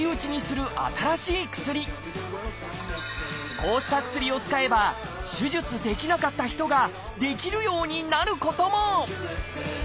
こうした薬を使えば手術できなかった人ができるようになることも！